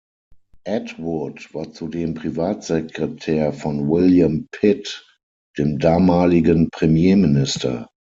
Atwood war zudem Privatsekretär von William Pitt, dem damaligen Premierminister.